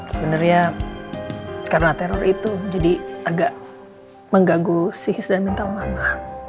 sebenernya karena teror itu jadi agak menggaguh si his dan mental mama